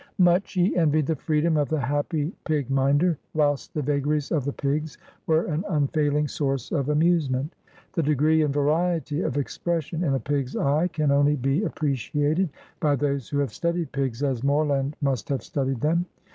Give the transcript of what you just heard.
Much he envied the freedom of the happy pig minder, whilst the vagaries of the pigs were an unfailing source of amusement. The degree and variety of expression in a pig's eye can only be appreciated by those who have studied pigs as Morland must have studied them.